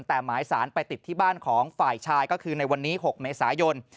แต่หมายสารไปติดที่บ้านของฝ่ายชายก็คือในวันนี้๖เมษายน